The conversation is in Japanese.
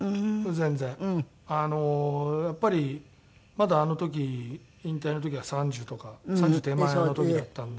やっぱりまだあの時引退の時は３０とか３０手前の時だったんで。